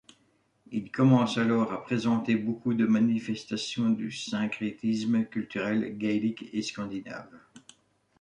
Ils commencent alors à présenter beaucoup de manifestation du syncrétisme culturel gaélique et scandinave.